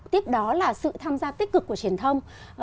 tiếp đó là sự tham gia tích cực của truyền thông